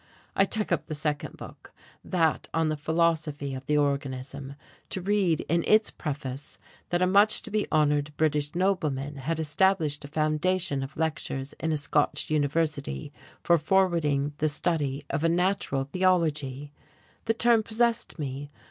I took up the second book, that on the philosophy of the organism, to read in its preface that a much to be honoured British nobleman had established a foundation of lectures in a Scotch University for forwarding the study of a Natural Theology. The term possessed me.